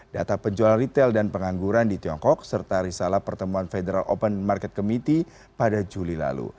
data penjualan retail dan pengangguran di tiongkok serta risalah pertemuan federal open market committee pada juli lalu